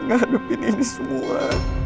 ngehadepin ini semua